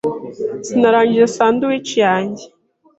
Sinarangije sandwich yanjye.